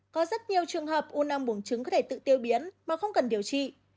có rất nhiều trường hợp u năng buồng trứng có thể tự tiêu biến mà không cần điều trị